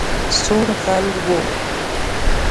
سور غل وو